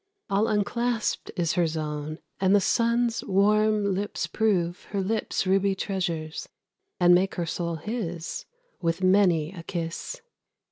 All unclasped is her zone, and the Sun's warm lips prove Her lips ruby treasures, and make her soul his With many a kiss.